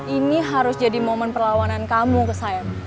ini harus jadi momen perlawanan kamu ke saya